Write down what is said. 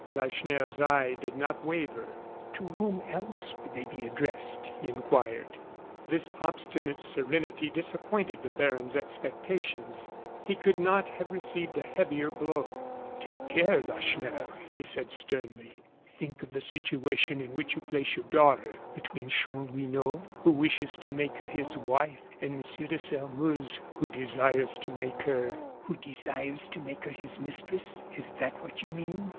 Lacheneur's eye did not waver. "To whom else could they be addressed?" he inquired. This obstinate serenity disappointed the baron's expectations. He could not have received a heavier blow. "Take care, Lacheneur," he said, sternly. "Think of the situation in which you place your daughter, between Chanlouineau, who wishes to make her his wife, and Monsieur de Sairmeuse, who desires to make her " "Who desires to make her his mistress is that what you mean?